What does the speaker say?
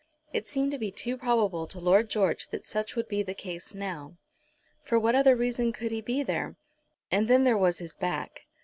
It seemed to be too probable to Lord George that such would be the case now. For what other reason could he be there? And then there was his back.